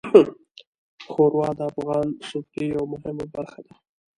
ښوروا د افغان سفرې یوه مهمه برخه ده.